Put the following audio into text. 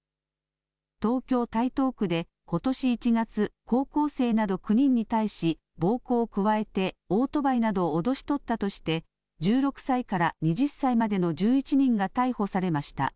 東京台東区でことし１月、高校生など９人に対し暴行を加えてオートバイなどを脅し取ったとして１６歳から２０歳までの１１人が逮捕されました。